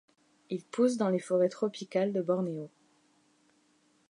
Il pousse dans les forêts tropicales de Bornéo.